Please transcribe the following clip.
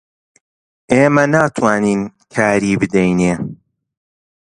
ئێمە ناتوانین کاری بدەینێ